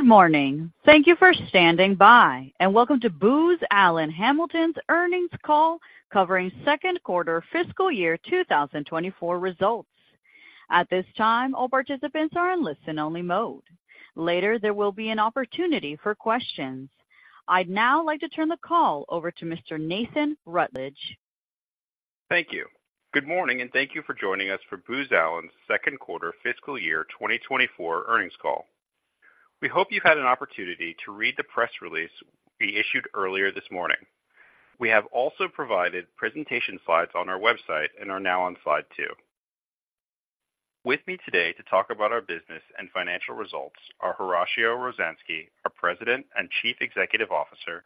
Good morning! Thank you for standing by, and welcome to Booz Allen Hamilton's earnings call, covering second quarter fiscal year 2024 results. At this time, all participants are in listen-only mode. Later, there will be an opportunity for questions. I'd now like to turn the call over to Mr. Nathan Rutledge. Thank you. Good morning, and thank you for joining us for Booz Allen's second quarter fiscal year 2024 earnings call. We hope you've had an opportunity to read the press release we issued earlier this morning. We have also provided presentation slides on our website and are now on Slide 2. With me today to talk about our business and financial results are Horacio Rozanski, our President and Chief Executive Officer,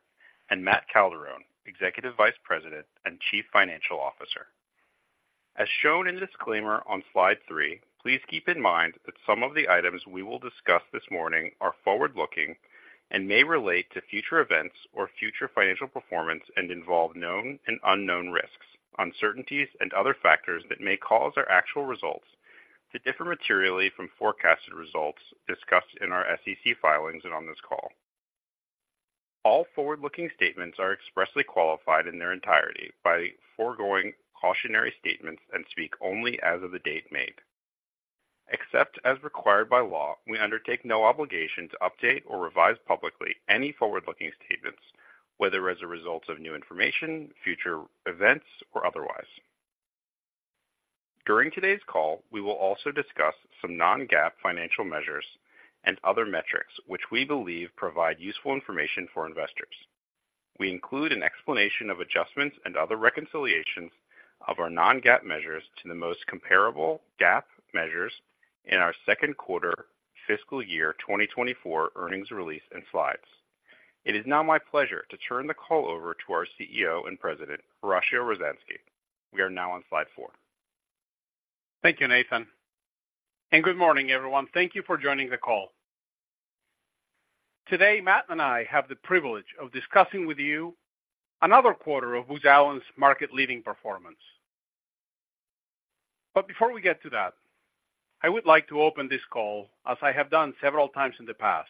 and Matt Calderone, Executive Vice President and Chief Financial Officer. As shown in disclaimer on Slide 3, please keep in mind that some of the items we will discuss this morning are forward-looking and may relate to future events or future financial performance and involve known and unknown risks, uncertainties, and other factors that may cause our actual results to differ materially from forecasted results discussed in our SEC filings and on this call. All forward-looking statements are expressly qualified in their entirety by foregoing cautionary statements and speak only as of the date made. Except as required by law, we undertake no obligation to update or revise publicly any forward-looking statements, whether as a result of new information, future events, or otherwise. During today's call, we will also discuss some non-GAAP financial measures and other metrics, which we believe provide useful information for investors. We include an explanation of adjustments and other reconciliations of our non-GAAP measures to the most comparable GAAP measures in our second quarter fiscal year 2024 earnings release and slides. It is now my pleasure to turn the call over to our CEO and President, Horacio Rozanski. We are now on Slide 4. Thank you, Nathan, and good morning, everyone. Thank you for joining the call. Today, Matt and I have the privilege of discussing with you another quarter of Booz Allen's market-leading performance. But before we get to that, I would like to open this call, as I have done several times in the past,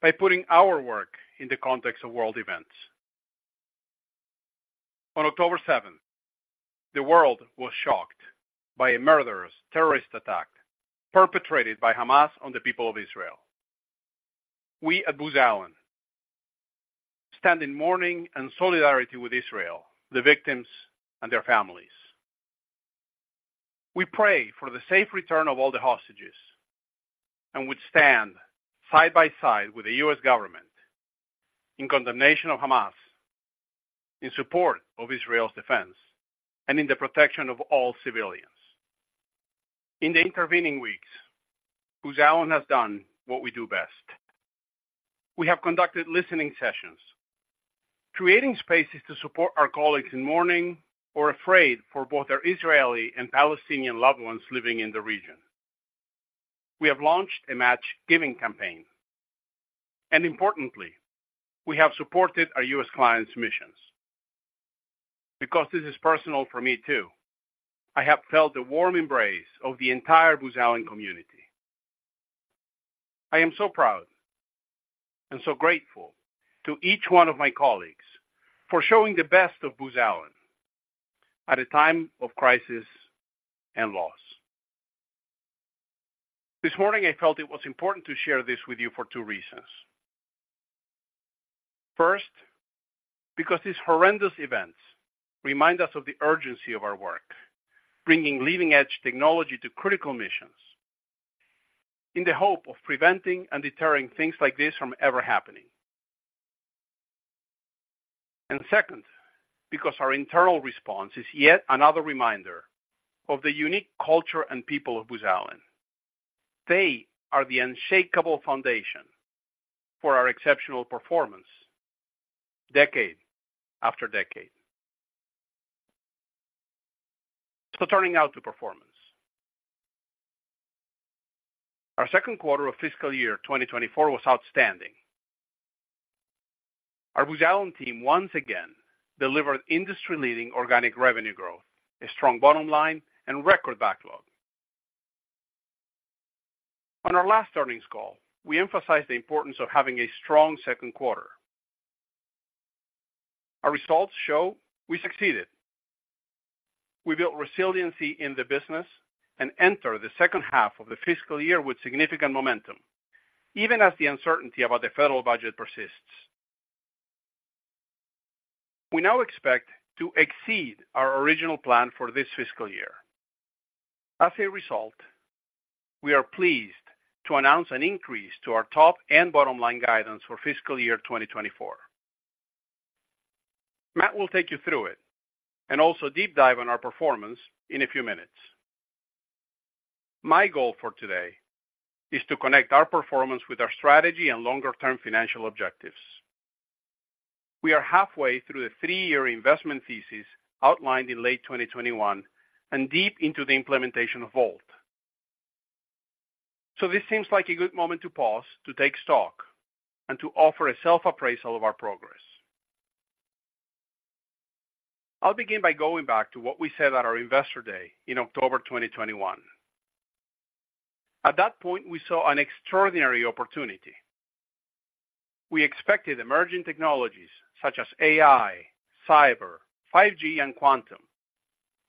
by putting our work in the context of world events. On October seventh, the world was shocked by a murderous terrorist attack perpetrated by Hamas on the people of Israel. We at Booz Allen stand in mourning and solidarity with Israel, the victims, and their families. We pray for the safe return of all the hostages, and we stand side by side with the U.S. government in condemnation of Hamas, in support of Israel's defense, and in the protection of all civilians. In the intervening weeks, Booz Allen has done what we do best. We have conducted listening sessions, creating spaces to support our colleagues in mourning or afraid for both their Israeli and Palestinian loved ones living in the region. We have launched a match giving campaign, and importantly, we have supported our U.S. clients' missions. Because this is personal for me, too, I have felt the warm embrace of the entire Booz Allen community. I am so proud and so grateful to each one of my colleagues for showing the best of Booz Allen at a time of crisis and loss. This morning, I felt it was important to share this with you for two reasons. First, because these horrendous events remind us of the urgency of our work, bringing leading-edge technology to critical missions in the hope of preventing and deterring things like this from ever happening. Second, because our internal response is yet another reminder of the unique culture and people of Booz Allen. They are the unshakable foundation for our exceptional performance decade after decade. Turning now to performance. Our second quarter of fiscal year 2024 was outstanding. Our Booz Allen team once again delivered industry-leading organic revenue growth, a strong bottom line, and record backlog. On our last earnings call, we emphasized the importance of having a strong second quarter. Our results show we succeeded. We built resiliency in the business and entered the second half of the fiscal year with significant momentum, even as the uncertainty about the federal budget persists. We now expect to exceed our original plan for this fiscal year. As a result, we are pleased to announce an increase to our top and bottom line guidance for fiscal year 2024. Matt will take you through it and also deep dive on our performance in a few minutes. My goal for today is to connect our performance with our strategy and longer-term financial objectives. We are halfway through the three-year investment thesis outlined in late 2021 and deep into the implementation of VoLT. So this seems like a good moment to pause, to take stock, and to offer a self-appraisal of our progress.... I'll begin by going back to what we said at our Investor Day in October 2021. At that point, we saw an extraordinary opportunity. We expected emerging technologies such as AI, cyber, 5G, and quantum,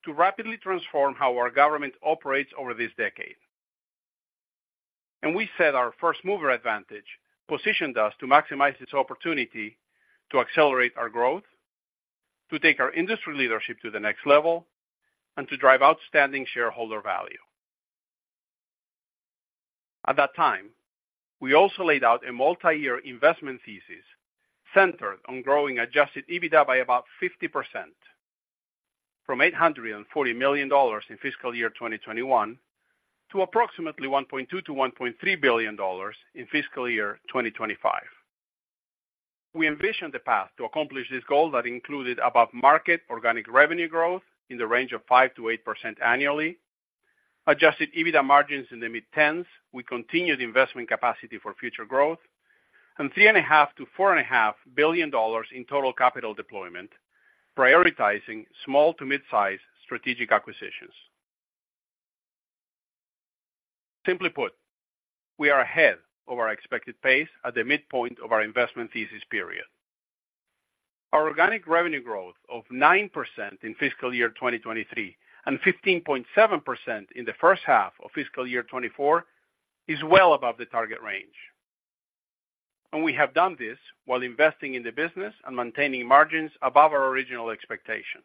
to rapidly transform how our government operates over this decade. And we said our first-mover advantage positioned us to maximize this opportunity to accelerate our growth, to take our industry leadership to the next level, and to drive outstanding shareholder value. At that time, we also laid out a multi-year investment thesis centered on growing Adjusted EBITDA by about 50%, from $840 million in fiscal year 2021 to approximately $1.2 billion-$1.3 billion in fiscal year 2025. We envisioned the path to accomplish this goal that included above-market organic revenue growth in the range of 5%-8% annually, Adjusted EBITDA margins in the mid-tens. We continued investment capacity for future growth, and $3.5 billion-$4.5 billion in total capital deployment, prioritizing small to mid-size strategic acquisitions. Simply put, we are ahead of our expected pace at the midpoint of our investment thesis period. Our organic revenue growth of 9% in fiscal year 2023, and 15.7% in the first half of fiscal year 2024, is well above the target range. And we have done this while investing in the business and maintaining margins above our original expectation.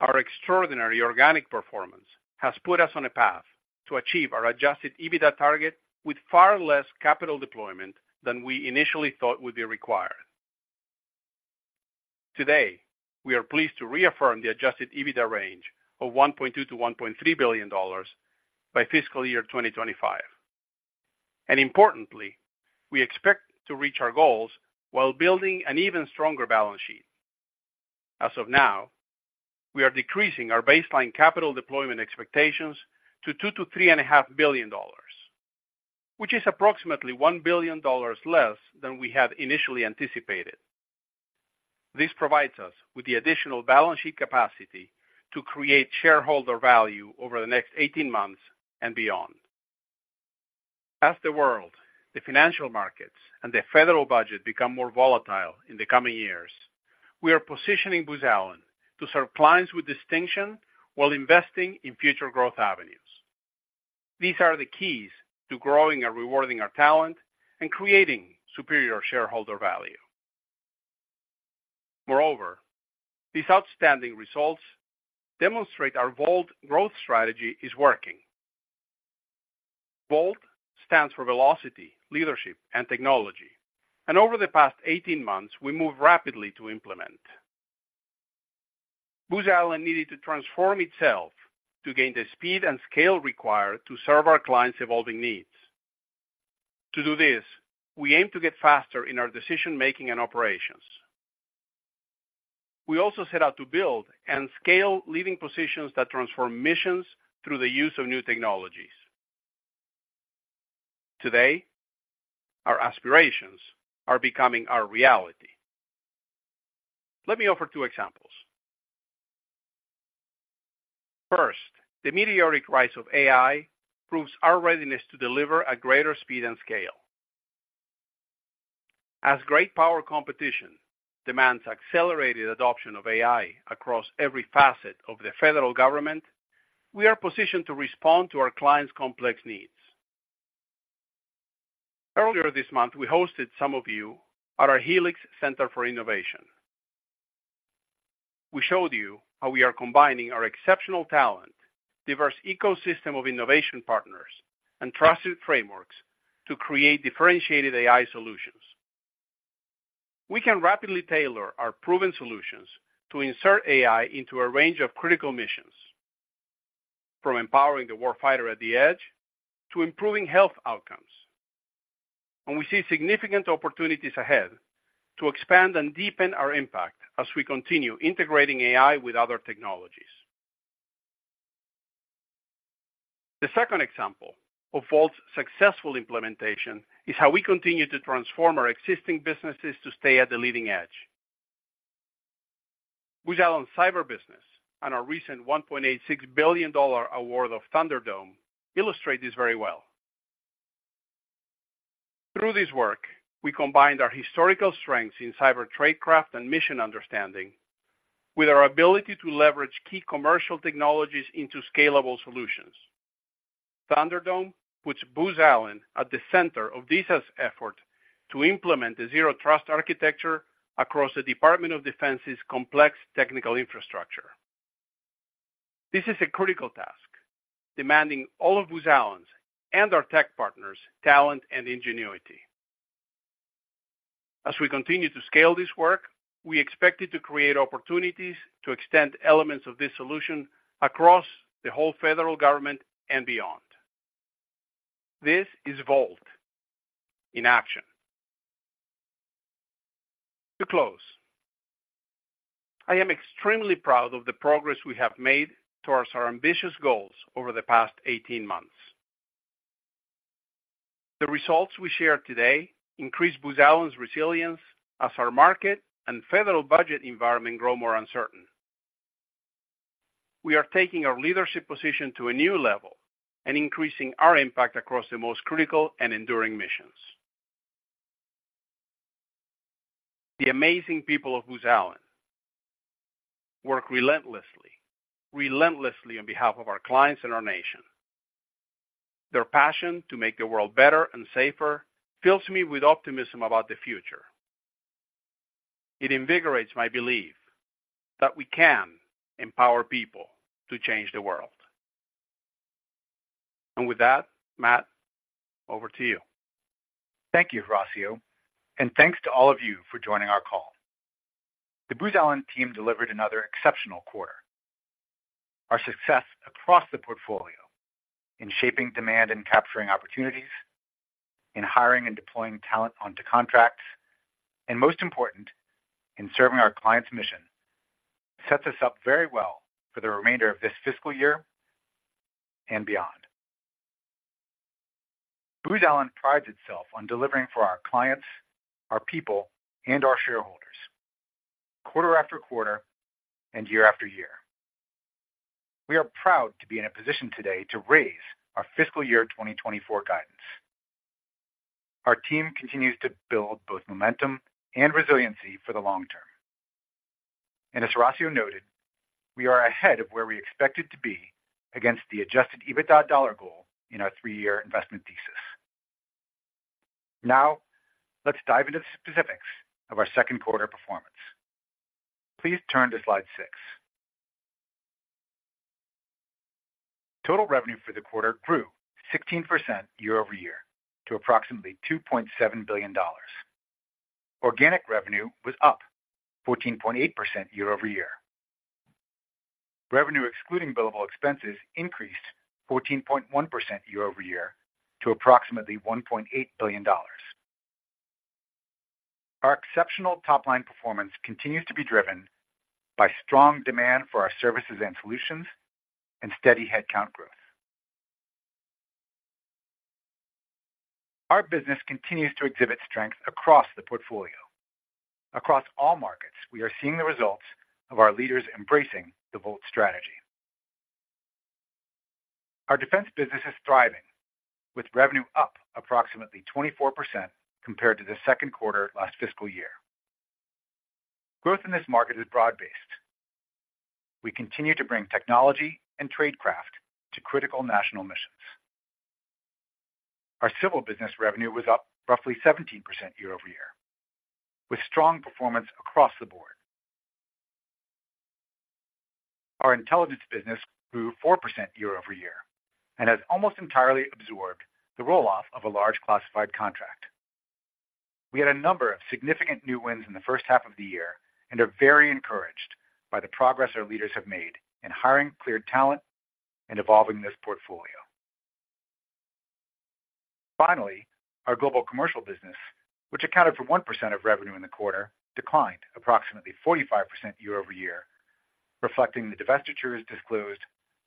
Our extraordinary organic performance has put us on a path to achieve our adjusted EBITDA target with far less capital deployment than we initially thought would be required. Today, we are pleased to reaffirm the adjusted EBITDA range of $1.2 billion-$1.3 billion by fiscal year 2025. And importantly, we expect to reach our goals while building an even stronger balance sheet. As of now, we are decreasing our baseline capital deployment expectations to $2 billion-$3.5 billion, which is approximately $1 billion less than we had initially anticipated. This provides us with the additional balance sheet capacity to create shareholder value over the next 18 months and beyond. As the world, the financial markets, and the federal budget become more volatile in the coming years, we are positioning Booz Allen to serve clients with distinction while investing in future growth avenues. These are the keys to growing and rewarding our talent and creating superior shareholder value. Moreover, these outstanding results demonstrate our VoLT growth strategy is working. VoLT stands for velocity, leadership, and technology, and over the past 18 months, we moved rapidly to implement. Booz Allen needed to transform itself to gain the speed and scale required to serve our clients' evolving needs. To do this, we aim to get faster in our decision-making and operations. We also set out to build and scale leading positions that transform missions through the use of new technologies. Today, our aspirations are becoming our reality. Let me offer two examples. First, the meteoric rise of AI proves our readiness to deliver at greater speed and scale. As great power competition demands accelerated adoption of AI across every facet of the federal government, we are positioned to respond to our clients' complex needs. Earlier this month, we hosted some of you at our Helix Center for Innovation. We showed you how we are combining our exceptional talent, diverse ecosystem of innovation partners, and trusted frameworks to create differentiated AI solutions. We can rapidly tailor our proven solutions to insert AI into a range of critical missions, from empowering the war fighter at the edge to improving health outcomes. We see significant opportunities ahead to expand and deepen our impact as we continue integrating AI with other technologies. The second example of VoLT's successful implementation is how we continue to transform our existing businesses to stay at the leading edge. Booz Allen cyber business and our recent $1.86 billion award of Thunderdome illustrate this very well. Through this work, we combined our historical strengths in cyber tradecraft and mission understanding with our ability to leverage key commercial technologies into scalable solutions. Thunderdome puts Booz Allen at the center of DISA's effort to implement the Zero Trust architecture across the Department of Defense's complex technical infrastructure. This is a critical task, demanding all of Booz Allen's and our tech partners' talent and ingenuity. As we continue to scale this work, we expect it to create opportunities to extend elements of this solution across the whole federal government and beyond. This is VoLT in action. To close, I am extremely proud of the progress we have made towards our ambitious goals over the past 18 months. The results we share today increase Booz Allen's resilience as our market and federal budget environment grow more uncertain. We are taking our leadership position to a new level and increasing our impact across the most critical and enduring missions. The amazing people of Booz Allen work relentlessly, relentlessly on behalf of our clients and our nation. Their passion to make the world better and safer fills me with optimism about the future. It invigorates my belief that we can empower people to change the world. With that, Matt, over to you. Thank you, Horacio, and thanks to all of you for joining our call. The Booz Allen team delivered another exceptional quarter. Our success across the portfolio in shaping demand and capturing opportunities, in hiring and deploying talent onto contracts, and most important, in serving our clients' mission, sets us up very well for the remainder of this fiscal year and beyond. Booz Allen prides itself on delivering for our clients, our people, and our shareholders, quarter after quarter and year after year. We are proud to be in a position today to raise our fiscal year 2024 guidance. Our team continues to build both momentum and resiliency for the long term. As Horacio noted, we are ahead of where we expected to be against the adjusted EBITDA dollar goal in our three-year investment thesis. Now, let's dive into the specifics of our second quarter performance. Please turn to Slide 6. Total revenue for the quarter grew 16% year-over-year to approximately $2.7 billion. Organic revenue was up 14.8% year-over-year. Revenue, excluding billable expenses, increased 14.1% year-over-year to approximately $1.8 billion. Our exceptional top-line performance continues to be driven by strong demand for our services and solutions and steady headcount growth. Our business continues to exhibit strength across the portfolio. Across all markets, we are seeing the results of our leaders embracing the VoLT strategy. Our defense business is thriving, with revenue up approximately 24% compared to the second quarter last fiscal year. Growth in this market is broad-based. We continue to bring technology and tradecraft to critical national missions. Our civil business revenue was up roughly 17% year-over-year, with strong performance across the board. Our intelligence business grew 4% year-over-year and has almost entirely absorbed the roll-off of a large classified contract. We had a number of significant new wins in the first half of the year and are very encouraged by the progress our leaders have made in hiring clear talent and evolving this portfolio. Finally, our global commercial business, which accounted for 1% of revenue in the quarter, declined approximately 45% year-over-year, reflecting the divestitures disclosed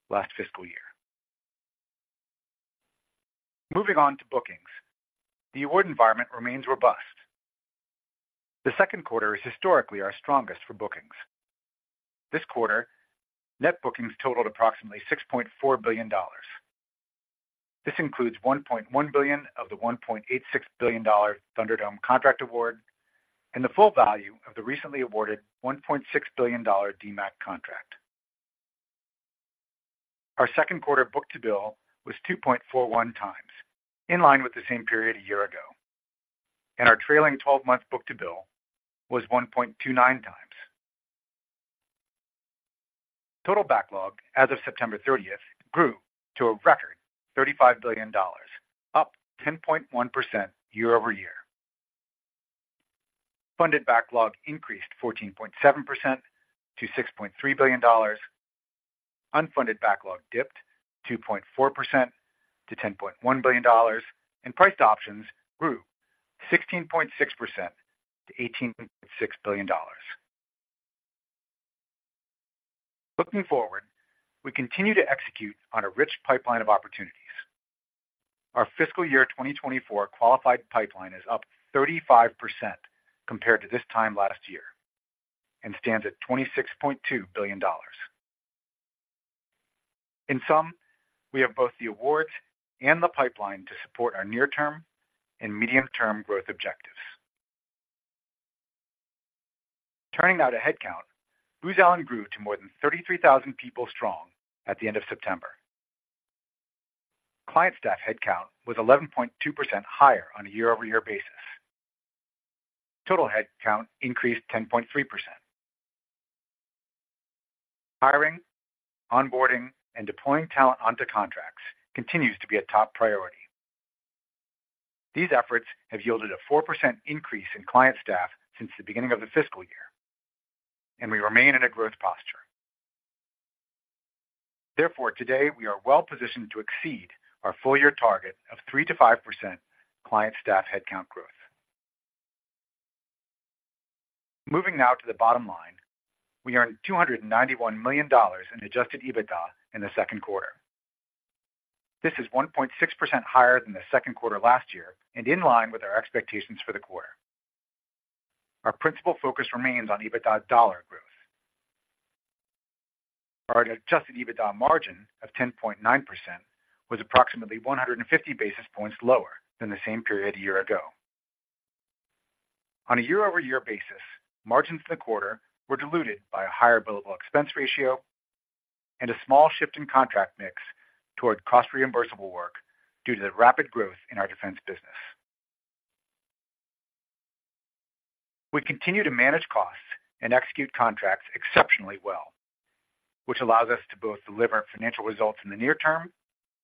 last fiscal year. Moving on to bookings. The award environment remains robust. The second quarter is historically our strongest for bookings. This quarter, net bookings totaled approximately $6.4 billion. This includes $1.1 billion of the $1.86 billion Thunderdome contract award and the full value of the recently awarded $1.6 billion DMAC contract. Our second quarter book-to-bill was 2.41x, in line with the same period a year ago, and our trailing twelve-month book-to-bill was 1.29x. Total backlog as of September 30 grew to a record $35 billion, up 10.1% year-over-year. Funded backlog increased 14.7% to $6.3 billion. Unfunded backlog dipped 2.4% to $10.1 billion, and priced options grew 16.6% to $18.6 billion. Looking forward, we continue to execute on a rich pipeline of opportunities. Our fiscal year 2024 qualified pipeline is up 35% compared to this time last year and stands at $26.2 billion. In sum, we have both the awards and the pipeline to support our near-term and medium-term growth objectives. Turning now to headcount. Booz Allen grew to more than 33,000 people strong at the end of September. Client staff headcount was 11.2% higher on a year-over-year basis. Total headcount increased 10.3%. Hiring, onboarding, and deploying talent onto contracts continues to be a top priority. These efforts have yielded a 4% increase in client staff since the beginning of the fiscal year, and we remain in a growth posture. Therefore, today, we are well positioned to exceed our full year target of 3%-5% client staff headcount growth. Moving now to the bottom line. We earned $291 million in adjusted EBITDA in the second quarter. This is 1.6% higher than the second quarter last year and in line with our expectations for the quarter. Our principal focus remains on EBITDA dollar growth. Our adjusted EBITDA margin of 10.9% was approximately 150 basis points lower than the same period a year ago. On a year-over-year basis, margins in the quarter were diluted by a higher billable expense ratio and a small shift in contract mix toward cost-reimbursable work due to the rapid growth in our defense business. We continue to manage costs and execute contracts exceptionally well, which allows us to both deliver financial results in the near term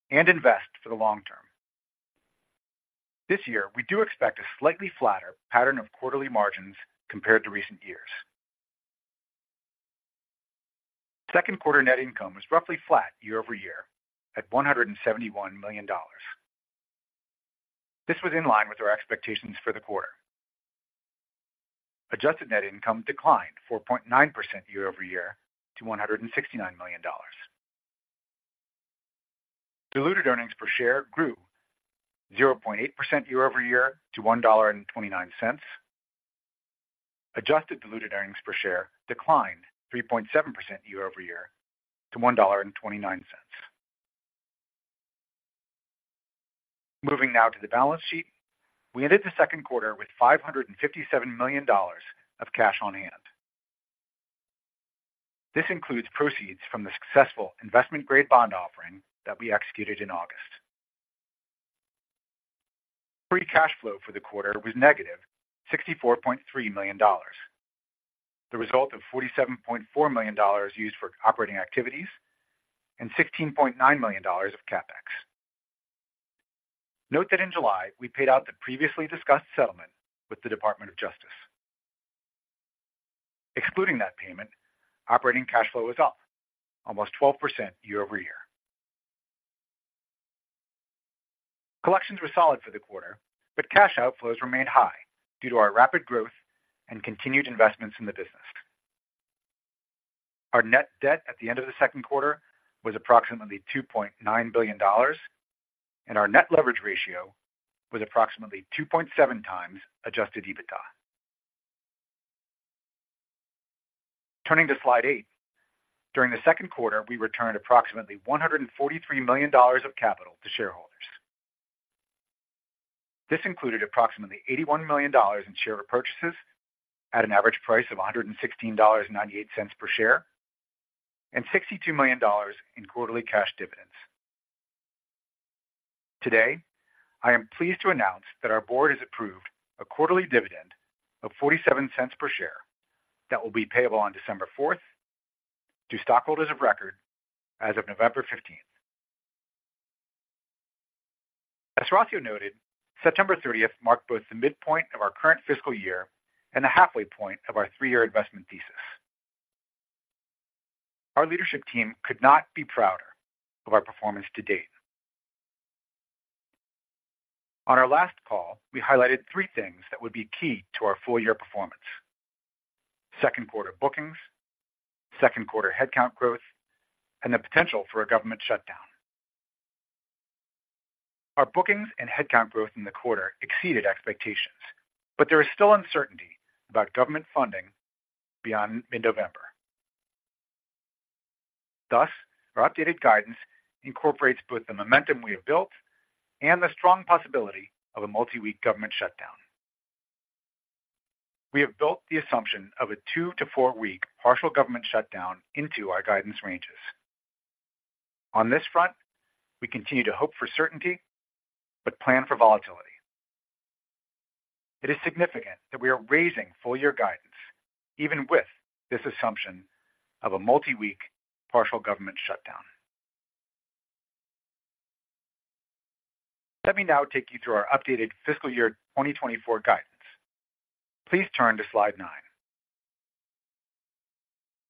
and invest for the long term. This year, we do expect a slightly flatter pattern of quarterly margins compared to recent years. Second quarter net income was roughly flat year-over-year, at $171 million. This was in line with our expectations for the quarter. Adjusted net income declined 4.9% year-over-year to $169 million. Diluted earnings per share grew 0.8% year-over-year to $1.29. Adjusted diluted earnings per share declined 3.7% year-over-year to $1.29. Moving now to the balance sheet. We ended the second quarter with $557 million of cash on hand. This includes proceeds from the successful investment-grade bond offering that we executed in August. Free cash flow for the quarter was -$64.3 million, the result of $47.4 million used for operating activities and $16.9 million of CapEx. Note that in July, we paid out the previously discussed settlement with the Department of Justice. Excluding that payment, operating cash flow was up almost 12% year-over-year. Collections were solid for the quarter, but cash outflows remained high due to our rapid growth and continued investments in the business. Our net debt at the end of the second quarter was approximately $2.9 billion, and our net leverage ratio was approximately 2.7x adjusted EBITDA. Turning to Slide 8. During the second quarter, we returned approximately $143 million of capital to shareholders. This included approximately $81 million in share repurchases at an average price of $116.98 per share, and $62 million in quarterly cash dividends. Today, I am pleased to announce that our board has approved a quarterly dividend of $0.47 per share that will be payable on December fourth to stockholders of record as of November fifteenth. As Horacio noted, September thirtieth marked both the midpoint of our current fiscal year and the halfway point of our three-year investment thesis. Our leadership team could not be prouder of our performance to date. On our last call, we highlighted three things that would be key to our full-year performance: second quarter bookings, second quarter headcount growth, and the potential for a government shutdown. Our bookings and headcount growth in the quarter exceeded expectations, but there is still uncertainty about government funding beyond mid-November. Thus, our updated guidance incorporates both the momentum we have built and the strong possibility of a multi-week government shutdown. We have built the assumption of a 2-4-week partial government shutdown into our guidance ranges. On this front, we continue to hope for certainty, but plan for volatility. It is significant that we are raising full-year guidance even with this assumption of a multi-week partial government shutdown. Let me now take you through our updated fiscal year 2024 guidance. Please turn to Slide 9.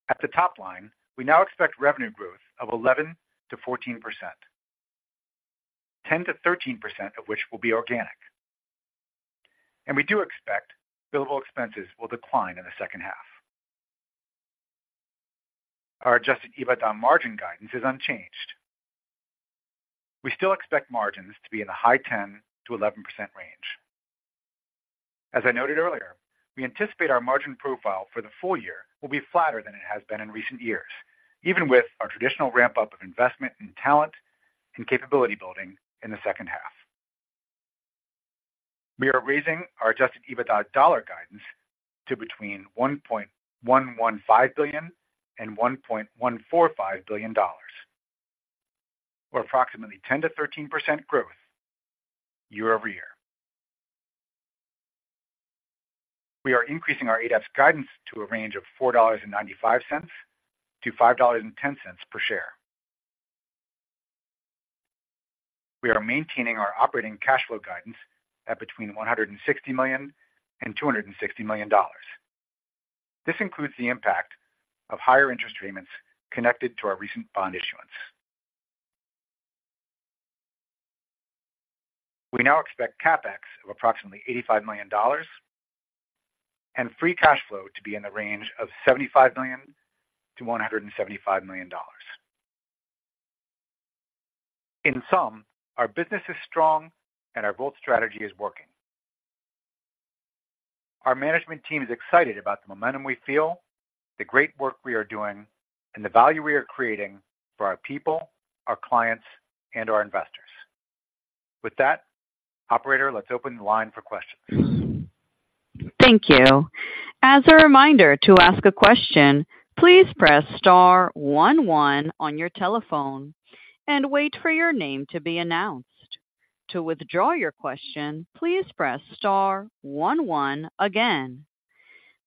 At the top line, we now expect revenue growth of 11%-14%, 10%-13% of which will be organic, and we do expect billable expenses will decline in the second half. Our adjusted EBITDA margin guidance is unchanged. We still expect margins to be in the high 10% to 11% range. As I noted earlier, we anticipate our margin profile for the full year will be flatter than it has been in recent years, even with our traditional ramp-up of investment in talent and capability building in the second half. We are raising our adjusted EBITDA dollar guidance to between $1.115 billion and $1.145 billion, or approximately 10%-13% growth year-over-year. We are increasing our ADEPS guidance to a range of $4.95-$5.10 per share. We are maintaining our operating cash flow guidance at between $160 million and $260 million. This includes the impact of higher interest payments connected to our recent bond issuance. We now expect CapEx of approximately $85 million and free cash flow to be in the range of $75 million-$175 million. In sum, our business is strong, and our VoLT strategy is working. Our management team is excited about the momentum we feel, the great work we are doing, and the value we are creating for our people, our clients, and our investors. With that, operator, let's open the line for questions. Thank you. As a reminder, to ask a question, please press star one one on your telephone and wait for your name to be announced. To withdraw your question, please press star one one again.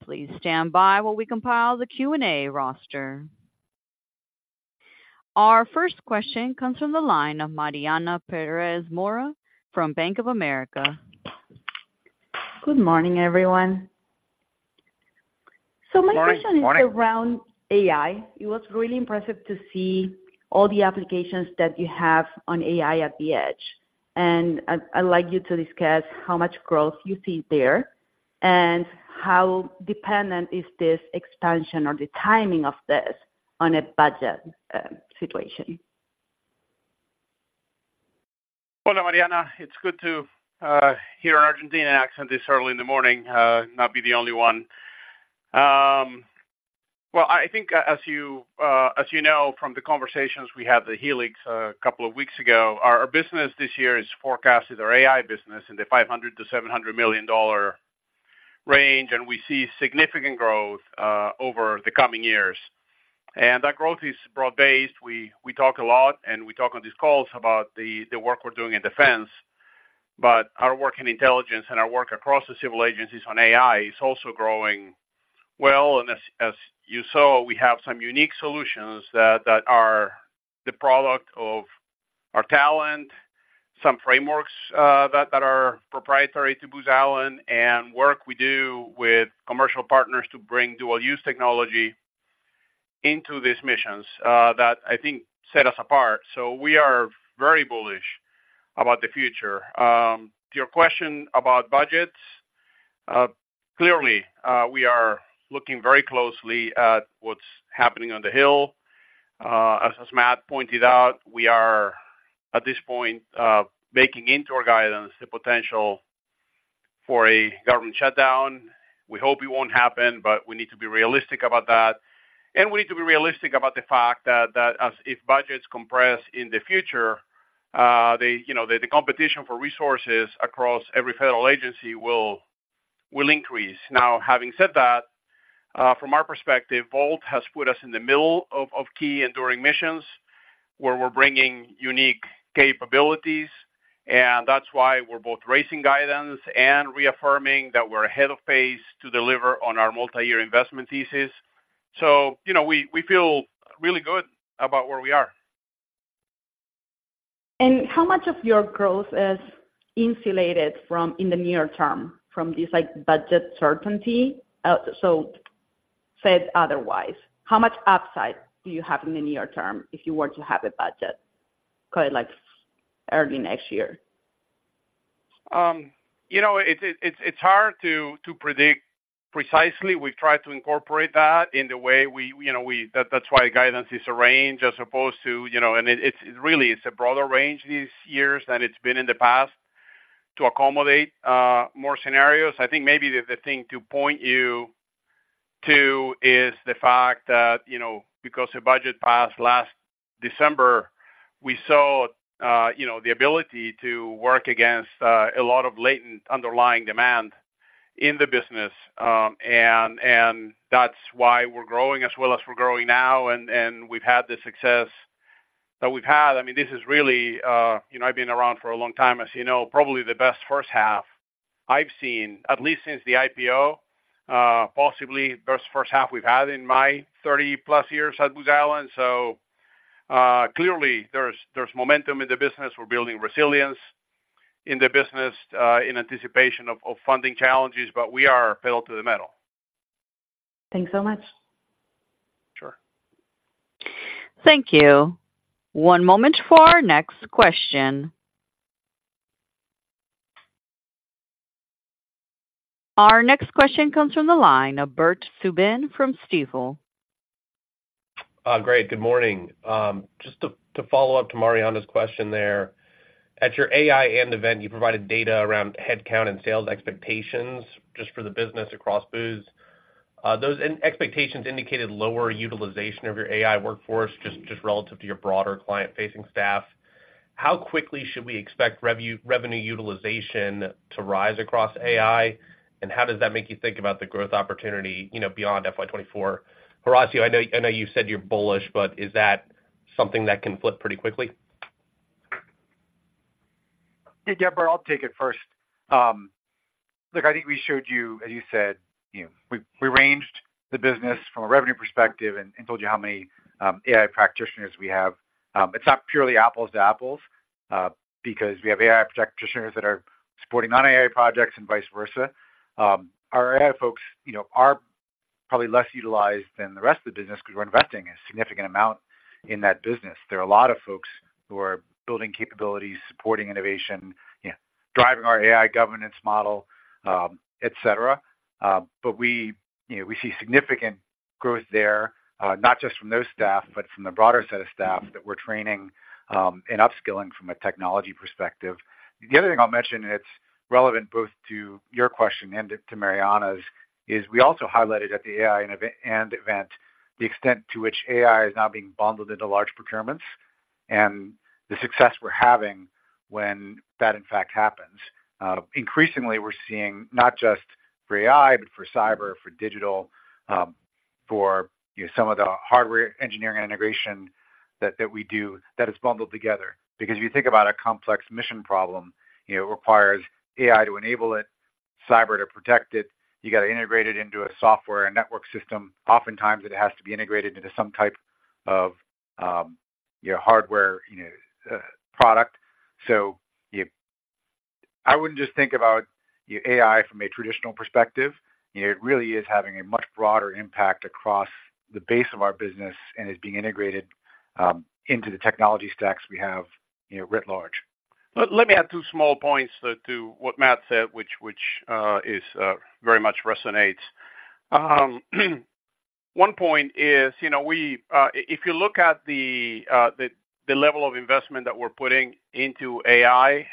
Please stand by while we compile the Q&A roster. Our first question comes from the line of Mariana Pérez Mora from Bank of America. Good morning, everyone. My question- Morning. is around AI. It was really impressive to see all the applications that you have on AI at the edge. I'd like you to discuss how much growth you see there, and how dependent is this expansion or the timing of this on a budget situation? Hola, Mariana. It's good to hear an Argentine accent this early in the morning, not be the only one. Well, I think as you, as you know from the conversations we had at Helix a couple of weeks ago, our business this year is forecasted, our AI business, in the $500 million-$700 million range, and we see significant growth over the coming years. That growth is broad-based. We, we talk a lot, and we talk on these calls about the work we're doing in defense, but our work in intelligence and our work across the civil agencies on AI is also growing well. And as you saw, we have some unique solutions that are the product of our talent, some frameworks that are proprietary to Booz Allen, and work we do with commercial partners to bring dual use technology into these missions that I think set us apart. So we are very bullish about the future. To your question about budgets, clearly we are looking very closely at what's happening on the Hill. As Matt pointed out, we are, at this point, making into our guidance the potential for a government shutdown. We hope it won't happen, but we need to be realistic about that, and we need to be realistic about the fact that as if budgets compress in the future, you know, the competition for resources across every federal agency will increase. Now, having said that, from our perspective, VoLT has put us in the middle of key enduring missions, where we're bringing unique capabilities, and that's why we're both raising guidance and reaffirming that we're ahead of pace to deliver on our multiyear investment thesis. So you know, we feel really good about where we are. How much of your growth is insulated from in the near term, from this, like, budget certainty? So said otherwise, how much upside do you have in the near term if you were to have a budget, call it, like, early next year? You know, it's hard to predict precisely. We've tried to incorporate that in the way we, you know, we – that's why guidance is a range as opposed to, you know. And it's really a broader range these years than it's been in the past to accommodate more scenarios. I think maybe the thing to point you to is the fact that, you know, because the budget passed last December, we saw, you know, the ability to work against a lot of latent underlying demand in the business. And that's why we're growing as well as we're growing now, and we've had the success that we've had. I mean, this is really, you know, I've been around for a long time, as you know, probably the best first half I've seen, at least since the IPO, possibly the best first half we've had in my 30+ years at Booz Allen. So, clearly there's momentum in the business. We're building resilience in the business, in anticipation of funding challenges, but we are pedal to the metal. Thanks so much. Sure. Thank you. One moment for our next question. Our next question comes from the line of Bert Subin from Stifel. Great. Good morning. Just to follow up to Mariana's question there. At your AI end event, you provided data around headcount and sales expectations just for the business across Booz. Those expectations indicated lower utilization of your AI workforce, just relative to your broader client-facing staff. How quickly should we expect revenue utilization to rise across AI? And how does that make you think about the growth opportunity, you know, beyond FY 2024? Horacio, I know, I know you said you're bullish, but is that something that can flip pretty quickly? Hey, Bert, I'll take it first. Look, I think we showed you, as you said, you know, we ranged the business from a revenue perspective and told you how many AI practitioners we have. It's not purely apples to apples, because we have AI practitioners that are supporting non-AI projects and vice versa. Our AI folks, you know, our probably less utilized than the rest of the business, because we're investing a significant amount in that business. There are a lot of folks who are building capabilities, supporting innovation, yeah, driving our AI governance model, et cetera. But we, you know, we see significant growth there, not just from those staff, but from the broader set of staff that we're training, and upskilling from a technology perspective. The other thing I'll mention, and it's relevant both to your question and to Mariana's, is we also highlighted at the AI event, the extent to which AI is now being bundled into large procurements and the success we're having when that, in fact, happens. Increasingly we're seeing not just for AI, but for cyber, for digital, for, you know, some of the hardware engineering integration that we do that is bundled together. Because if you think about a complex mission problem, you know, it requires AI to enable it, cyber to protect it. You got to integrate it into a software and network system. Oftentimes it has to be integrated into some type of, you know, hardware, you know, product. So you I wouldn't just think about AI from a traditional perspective. It really is having a much broader impact across the base of our business and is being integrated into the technology stacks we have, you know, writ large. Let me add two small points to what Matt said, which very much resonates. One point is, you know, if you look at the level of investment that we're putting into AI,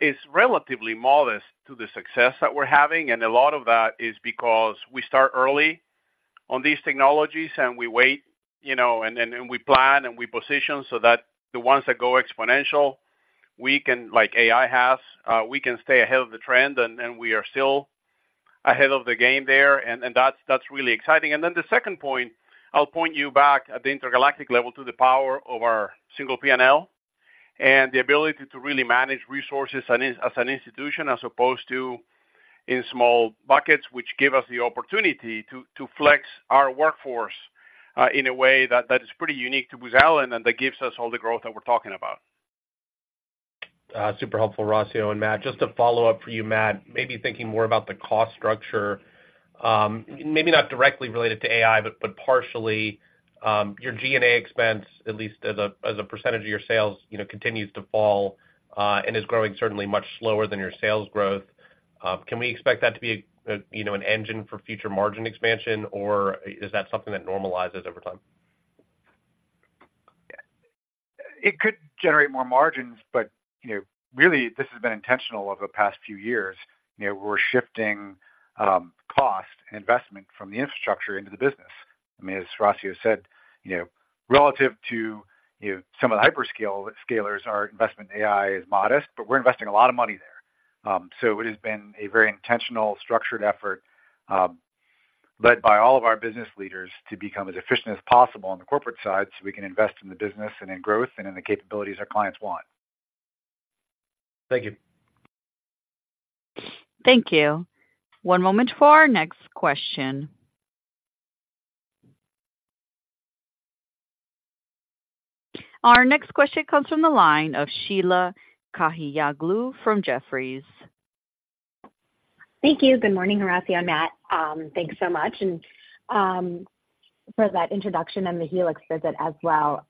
it's relatively modest to the success that we're having, and a lot of that is because we start early on these technologies and we wait, you know, and then we plan, and we position so that the ones that go exponential, we can, like AI has, we can stay ahead of the trend, and we are still ahead of the game there, and that's really exciting. And then the second point, I'll point you back at the intergalactic level to the power of our single PNL and the ability to really manage resources as an institution, as opposed to in small buckets, which give us the opportunity to flex our workforce in a way that is pretty unique to Booz Allen, and that gives us all the growth that we're talking about. Super helpful, Horacio and Matt. Just to follow up for you, Matt, maybe thinking more about the cost structure, maybe not directly related to AI, but partially, your G&A expense, at least as a percentage of your sales, you know, continues to fall and is growing certainly much slower than your sales growth. Can we expect that to be a, you know, an engine for future margin expansion, or is that something that normalizes over time? It could generate more margins, but, you know, really this has been intentional over the past few years. You know, we're shifting, cost and investment from the infrastructure into the business. I mean, as Horacio said, you know, relative to, you know, some of the hyperscalers, our investment in AI is modest, but we're investing a lot of money there. So it has been a very intentional, structured effort, led by all of our business leaders to become as efficient as possible on the corporate side, so we can invest in the business and in growth and in the capabilities our clients want. Thank you. Thank you. One moment for our next question. Our next question comes from the line of Sheila Kahyaoglu from Jefferies. Thank you. Good morning, Horacio, Matt. Thanks so much and for that introduction and the Helix visit as well.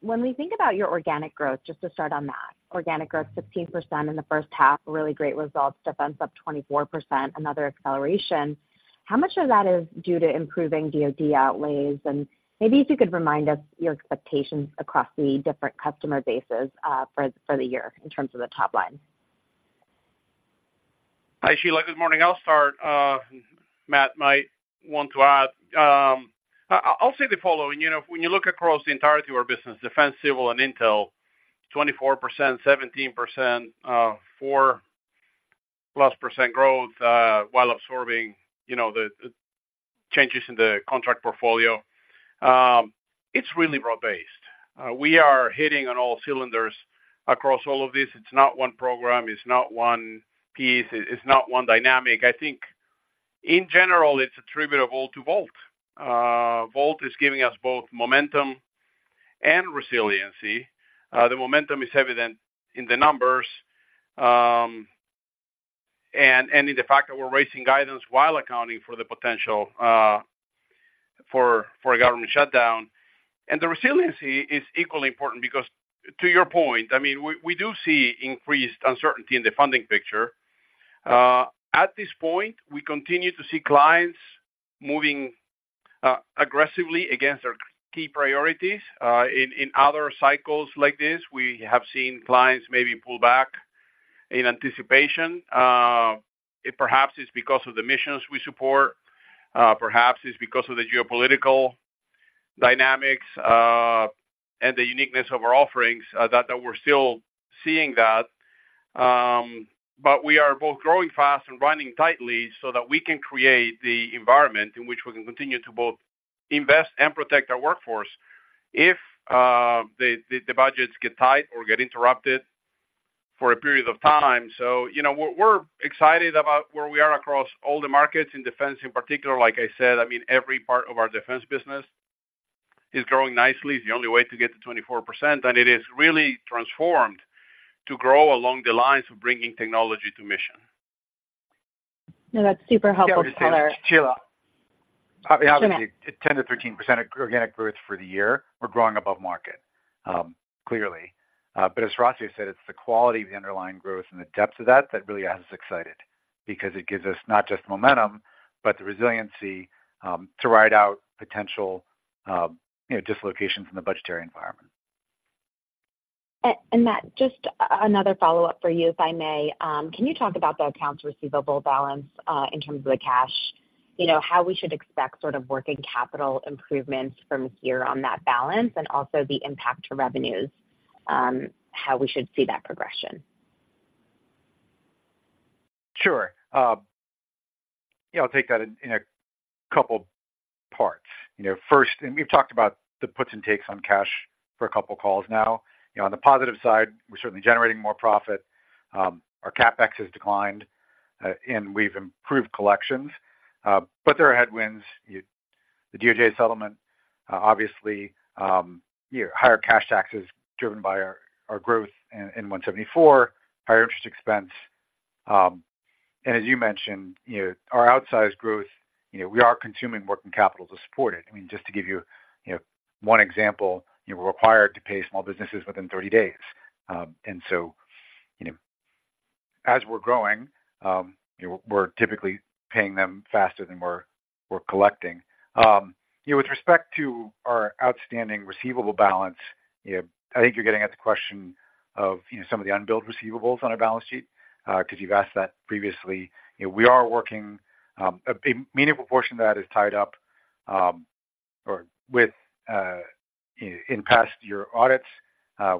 When we think about your organic growth, just to start on that, organic growth, 16% in the first half, really great results, defense up 24%, another acceleration. How much of that is due to improving DoD outlays? And maybe if you could remind us your expectations across the different customer bases, for the year in terms of the top line. Hi, Sheila. Good morning. I'll start, Matt might want to add. I'll say the following. You know, when you look across the entirety of our business, defense, civil, and intel, 24%, 17%, 4%+ growth, while absorbing, you know, the changes in the contract portfolio, it's really broad-based. We are hitting on all cylinders across all of this. It's not one program, it's not one piece, it's not one dynamic. I think in general, it's attributable to VoLT. VoLT is giving us both momentum and resiliency. The momentum is evident in the numbers, and, and in the fact that we're raising guidance while accounting for the potential, for a government shutdown. And the resiliency is equally important because to your point, I mean, we, we do see increased uncertainty in the funding picture. At this point, we continue to see clients moving aggressively against our key priorities. In other cycles like this, we have seen clients maybe pull back in anticipation. It perhaps is because of the missions we support, perhaps it's because of the geopolitical dynamics, and the uniqueness of our offerings, that we're still seeing that. But we are both growing fast and running tightly so that we can create the environment in which we can continue to both invest and protect our workforce if the budgets get tight or get interrupted for a period of time. So you know, we're excited about where we are across all the markets in defense in particular, like I said, I mean, every part of our defense business.... is growing nicely. It's the only way to get to 24%, and it is really transformed to grow along the lines of bringing technology to mission. No, that's super helpful, Horancio. Sheila, obviously, 10%-13% of organic growth for the year, we're growing above market, clearly. But as Horacio said, it's the quality of the underlying growth and the depth of that, that really has us excited because it gives us not just momentum, but the resiliency, to ride out potential, you know, dislocations in the budgetary environment. And Matt, just another follow-up for you, if I may. Can you talk about the accounts receivable balance, in terms of the cash? You know, how we should expect sort of working capital improvements from here on that balance and also the impact to revenues, how we should see that progression? Sure. Yeah, I'll take that in a couple parts. You know, first, and we've talked about the puts and takes on cash for a couple calls now. You know, on the positive side, we're certainly generating more profit. Our CapEx has declined, and we've improved collections. But there are headwinds. The DOJ settlement, obviously, you know, higher cash taxes driven by our growth in 174, higher interest expense. And as you mentioned, you know, our outsized growth, you know, we are consuming working capital to support it. I mean, just to give you, you know, one example, you were required to pay small businesses within 30 days. And so, you know, as we're growing, you know, we're typically paying them faster than we're collecting. You know, with respect to our outstanding receivable balance, you know, I think you're getting at the question of, you know, some of the unbilled receivables on our balance sheet, because you've asked that previously. You know, we are working, a meaningful portion of that is tied up or with in past year audits.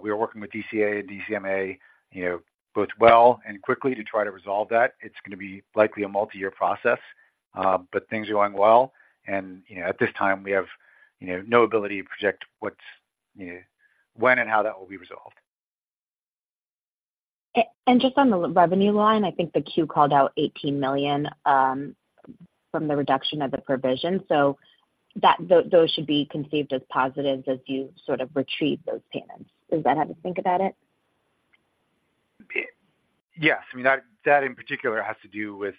We are working with DCAA and DCMA, you know, both well and quickly to try to resolve that. It's gonna be likely a multi-year process, but things are going well, and, you know, at this time, we have, you know, no ability to project what, you know, when and how that will be resolved. Just on the revenue line, I think the Q called out $18 million from the reduction of the provision, so those should be conceived as positives as you sort of retrieve those payments. Is that how to think about it? Yes. I mean, that, that in particular has to do with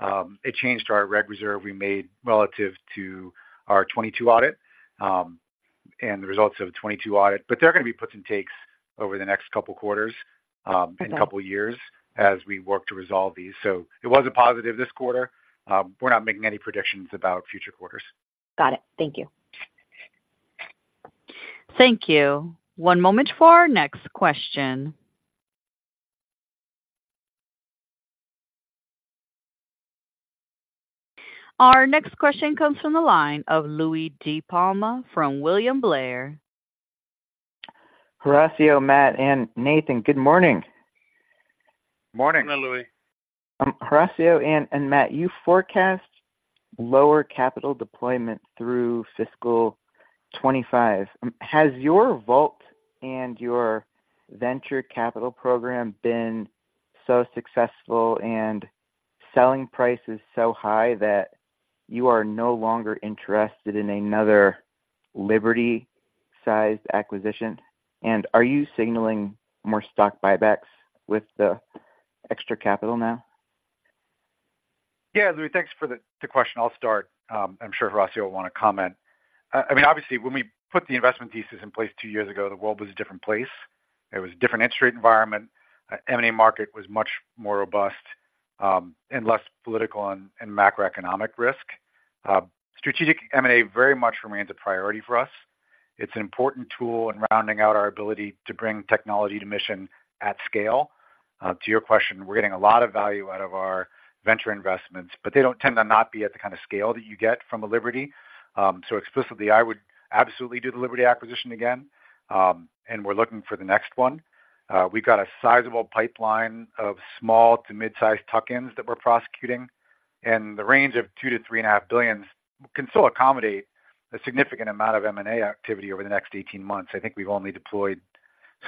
a change to our reg reserve we made relative to our 2022 audit, and the results of the 2022 audit. But there are gonna be puts and takes over the next couple quarters, Okay... and couple years as we work to resolve these. So it was a positive this quarter. We're not making any predictions about future quarters. Got it. Thank you. Thank you. One moment for our next question. Our next question comes from the line of Louie DiPalma from William Blair. Horacio, Matt, and Nathan, good morning. Morning. Hi, Louie. Horacio and Matt, you forecast lower capital deployment through fiscal 2025. Has your VoLT and your venture capital program been so successful and selling prices so high that you are no longer interested in another Liberty-sized acquisition? And are you signaling more stock buybacks with the extra capital now? Yeah, Louie, thanks for the question. I'll start. I'm sure Horacio will want to comment. I mean, obviously, when we put the investment thesis in place two years ago, the world was a different place. It was a different interest rate environment, M&A market was much more robust, and less political and macroeconomic risk. Strategic M&A very much remains a priority for us. It's an important tool in rounding out our ability to bring technology to mission at scale. To your question, we're getting a lot of value out of our venture investments, but they don't tend to not be at the kind of scale that you get from a Liberty. So explicitly, I would absolutely do the Liberty acquisition again, and we're looking for the next one. We've got a sizable pipeline of small to mid-sized tuck-ins that we're prosecuting, and the range of $2 billion-$3.5 billion can still accommodate a significant amount of M&A activity over the next eighteen months. I think we've only deployed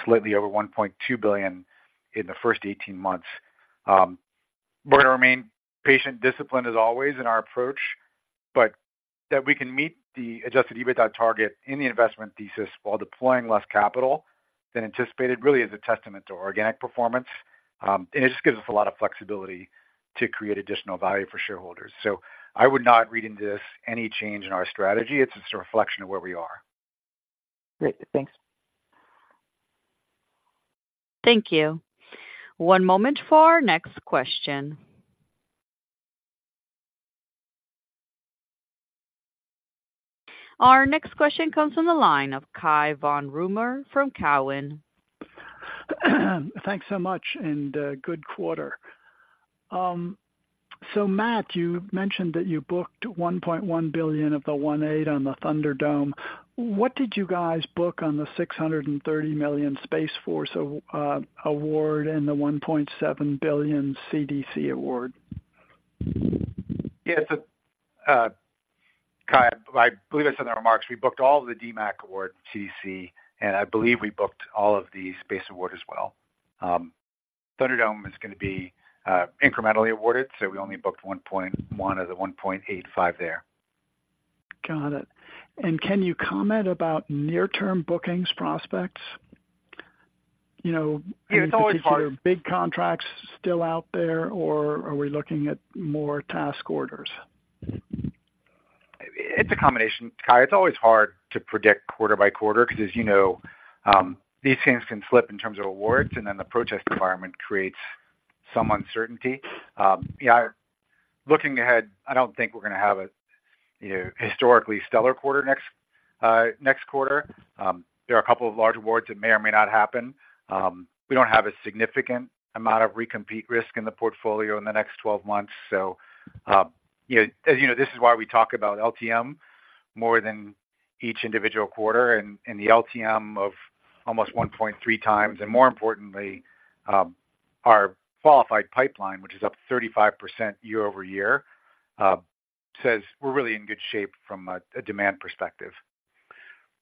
slightly over $1.2 billion in the first eighteen months. We're gonna remain patient, disciplined as always in our approach, but that we can meet the Adjusted EBITDA target in the investment thesis while deploying less capital than anticipated, really is a testament to organic performance. And it just gives us a lot of flexibility to create additional value for shareholders. So I would not read into this any change in our strategy. It's just a reflection of where we are. Great. Thanks. Thank you. One moment for our next question. Our next question comes from the line of Cai von Rumohr from Cowen. Thanks so much, and good quarter. So Matt, you mentioned that you booked $1.1 billion of the $1.8 on the Thunderdome. What did you guys book on the $630 million Space Force award, and the $1.7 billion CDC award? Yeah, it's a, Cai, I believe I said in the remarks, we booked all of the DMAC awards, CDC, and I believe we booked all of the Space Award as well. Thunderdome is going to be incrementally awarded, so we only booked $1.1 of the $1.85 there. Got it. And can you comment about near-term bookings prospects? You know- It's always hard. Are big contracts still out there, or are we looking at more task orders? It's a combination, Cai. It's always hard to predict quarter by quarter, because, as you know, these things can slip in terms of awards, and then the protest environment creates some uncertainty. Yeah, looking ahead, I don't think we're going to have a, you know, historically stellar quarter next, next quarter. There are a couple of large awards that may or may not happen. We don't have a significant amount of recompete risk in the portfolio in the next 12 months. So, you know, as you know, this is why we talk about LTM more than each individual quarter, and the LTM of almost 1.3x, and more importantly, our qualified pipeline, which is up 35% year-over-year, says we're really in good shape from a demand perspective.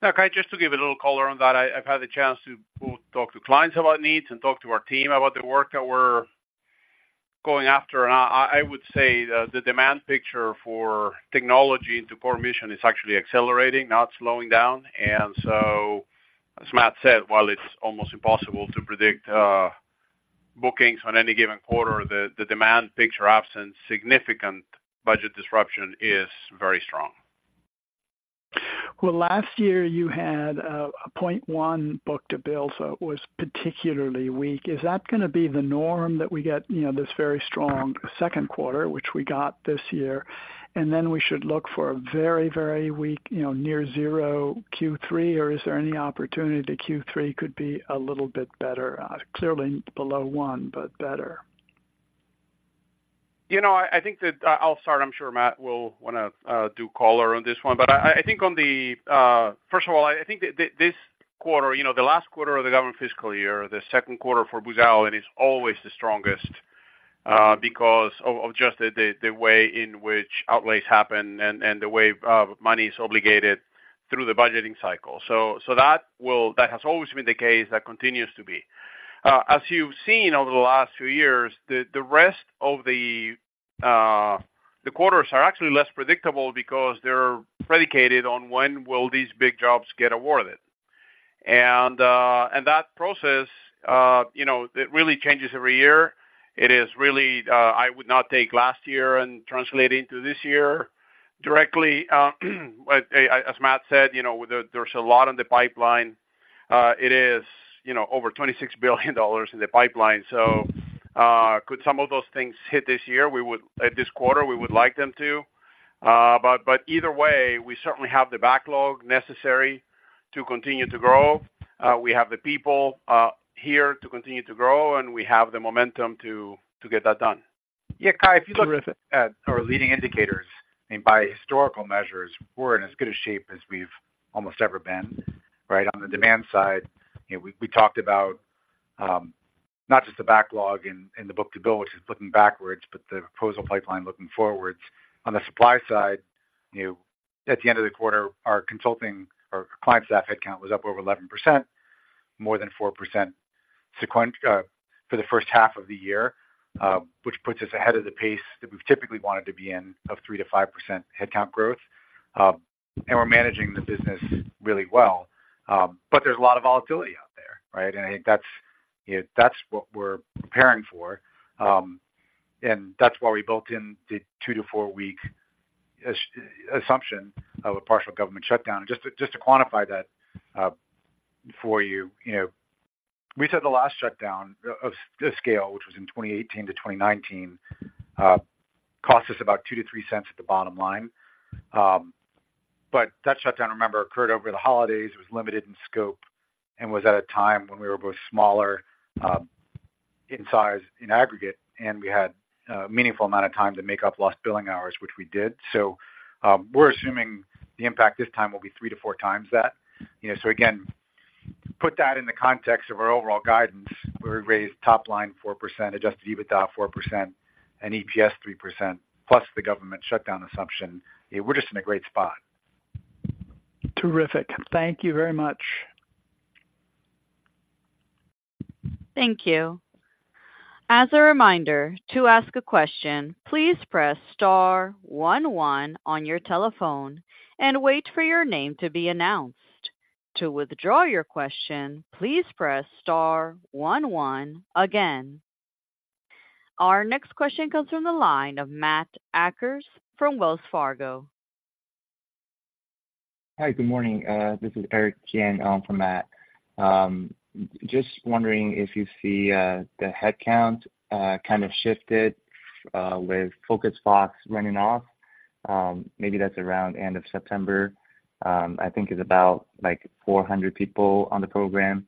Now, Cai, just to give a little color on that, I've had the chance to both talk to clients about needs and talk to our team about the work that we're going after, and I would say that the demand picture for technology into core mission is actually accelerating, not slowing down. And so, as Matt said, while it's almost impossible to predict bookings on any given quarter, the demand picture, absent significant budget disruption, is very strong. Well, last year you had a 0.1 book-to-bill, so it was particularly weak. Is that going to be the norm, that we get, you know, this very strong second quarter, which we got this year, and then we should look for a very, very weak, you know, near zero Q3? Or is there any opportunity that Q3 could be a little bit better, clearly below 1, but better? You know, I think that I'll start. I'm sure Matt will want to do color on this one. But I think on the... First of all, I think this quarter, you know, the last quarter of the government fiscal year, the second quarter for Booz Allen, is always the strongest because of just the way in which outlays happen and the way money is obligated through the budgeting cycle. That will. That has always been the case. That continues to be. As you've seen over the last few years, the rest of the quarters are actually less predictable because they're predicated on when will these big jobs get awarded. That process, you know, it really changes every year. It is really, I would not take last year and translate into this year directly. As, as Matt said, you know, there, there's a lot in the pipeline. It is, you know, over $26 billion in the pipeline. So, could some of those things hit this year? We would, this quarter, we would like them to. But, but either way, we certainly have the backlog necessary to continue to grow. We have the people, here to continue to grow, and we have the momentum to, to get that done. Yeah, Cai, if you look- Terrific. At our leading indicators, and by historical measures, we're in as good a shape as we've almost ever been, right? On the demand side, you know, we, we talked about, not just the backlog and, and the book-to-bill, which is looking backwards, but the proposal pipeline looking forwards. On the supply side, you know, at the end of the quarter, our consulting or client staff headcount was up over 11%, more than 4% sequential for the first half of the year, which puts us ahead of the pace that we've typically wanted to be in, of 3%-5% headcount growth. And we're managing the business really well. But there's a lot of volatility out there, right? And I think that's, you know, that's what we're preparing for. And that's why we built in the 2- to 4-week assumption of a partial government shutdown. Just, just to quantify that, for you, you know, we said the last shutdown of this scale, which was in 2018-2019, cost us about 2-3 cents at the bottom line. But that shutdown, remember, occurred over the holidays, it was limited in scope and was at a time when we were both smaller, in size, in aggregate, and we had a meaningful amount of time to make up lost billing hours, which we did. So, we're assuming the impact this time will be 3-4x that. You know, so again, put that in the context of our overall guidance. We raised top line 4%, Adjusted EBITDA 4%, and EPS 3%, plus the government shutdown assumption. We're just in a great spot. Terrific. Thank you very much. Thank you. As a reminder, to ask a question, please press star one one on your telephone and wait for your name to be announced. To withdraw your question, please press star one one again. Our next question comes from the line of Matt Akers from Wells Fargo. Hi, good morning. This is Eric Qian from Matt. Just wondering if you see the headcount kind of shifted with Focus Fox running off. Maybe that's around end of September. I think it's about, like, 400 people on the program.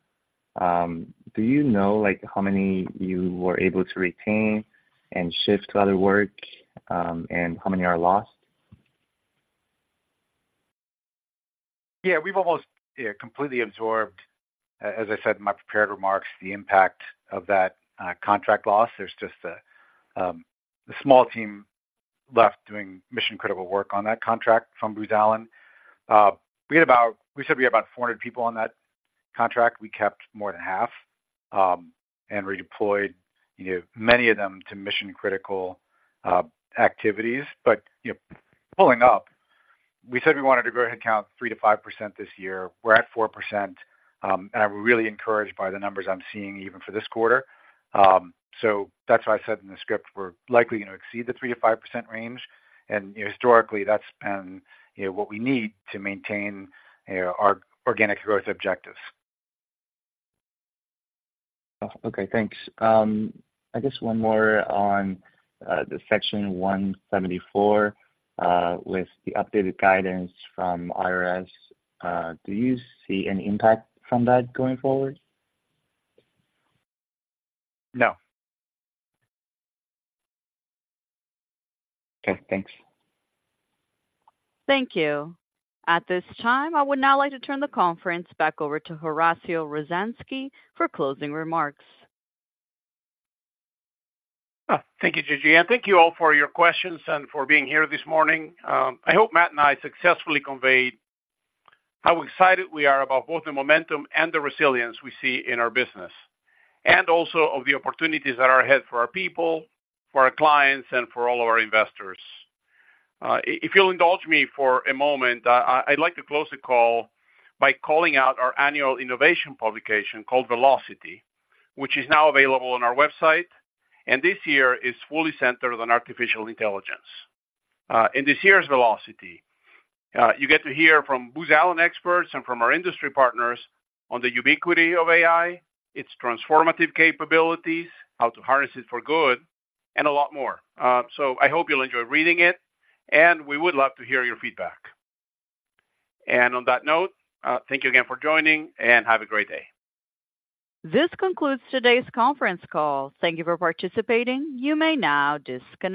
Do you know, like, how many you were able to retain and shift to other work, and how many are lost? Yeah, we've almost completely absorbed, as I said in my prepared remarks, the impact of that contract loss. There's just a small team left doing mission critical work on that contract from Booz Allen. We had about, we said we had about 400 people on that contract. We kept more than half, and redeployed, you know, many of them to mission critical activities. But, you know, pulling up, we said we wanted to grow headcount 3%-5% this year. We're at 4%, and I'm really encouraged by the numbers I'm seeing even for this quarter. So that's why I said in the script, we're likely going to exceed the 3%-5% range, and historically, that's been, you know, what we need to maintain, you know, our organic growth objectives. Okay, thanks. I guess one more on the Section 174 with the updated guidance from IRS. Do you see any impact from that going forward? No. Okay, thanks. Thank you. At this time, I would now like to turn the conference back over to Horacio Rozanski for closing remarks. Ah, thank you, Gigi, and thank you all for your questions and for being here this morning. I hope Matt and I successfully conveyed how excited we are about both the momentum and the resilience we see in our business, and also of the opportunities that are ahead for our people, for our clients, and for all of our investors. If you'll indulge me for a moment, I'd like to close the call by calling out our annual innovation publication called Velocity, which is now available on our website, and this year is fully centered on artificial intelligence. In this year's Velocity, you get to hear from Booz Allen experts and from our industry partners on the ubiquity of AI, its transformative capabilities, how to harness it for good, and a lot more. I hope you'll enjoy reading it, and we would love to hear your feedback. On that note, thank you again for joining and have a great day. This concludes today's conference call. Thank you for participating. You may now disconnect.